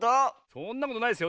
そんなことないですよ。